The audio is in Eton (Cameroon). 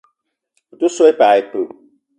Ou te so i pas ipee?